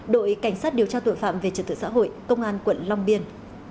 đội cảnh sát điều tra tội phạm về trật tự xã hội công an quận long biên